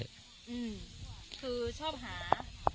คือชอบหา